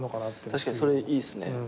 確かにそれいいっすね。